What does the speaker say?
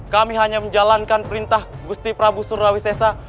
kami hanya menjalankan perintah gusti prabu surawis sesa